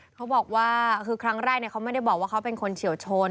เขาบอกว่าคือครั้งแรกเขาไม่ได้บอกว่าเขาเป็นคนเฉียวชน